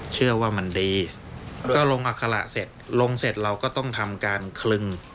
เชื่อว่ามันดีก็ลงอัคระเสร็จลงเสร็จเราก็ต้องทำการคลึง